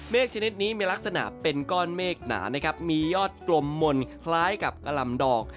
เมฆชนิดนี้มีลักษณะเป็นก้อนเมฆหนามียอดกลมมนคล้ายกับกล่ามดอก